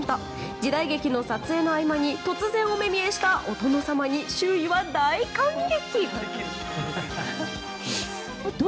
時代劇の撮影の合間に突然、お目見えしたお殿様に周囲は大感激。